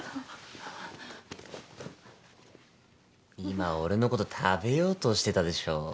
今俺のこと食べようとしてたでしょ？